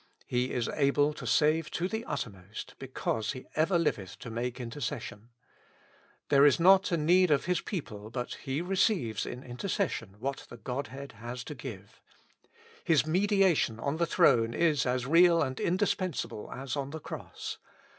*' He is able to save to the uttermost, because He ever liveth to make intercession." There is not a need of His people but He receives in in tercession what the Godhead has to give : His medi ation on the throne is as real and indispensable as on the cross.